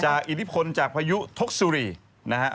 จะอินิภคลจากพายุทกศุรีนะฮะ